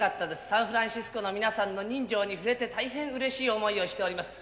サンフランシスコの皆さんの人情に触れて大変うれしい思いをしております。